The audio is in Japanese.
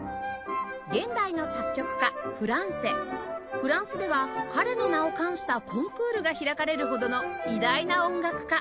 フランスでは彼の名を冠したコンクールが開かれるほどの偉大な音楽家